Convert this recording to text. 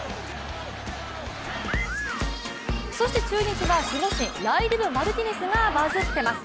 そして中日は、守護神ライデル・マルティネスがバズってます。